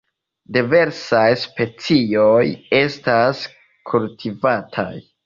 Diversaj specioj estas kultivataj.